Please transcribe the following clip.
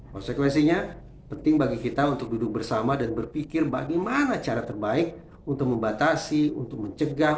konsekuensinya penting bagi kita untuk duduk bersama dan berpikir bagaimana cara terbaik untuk membatasi untuk mencegah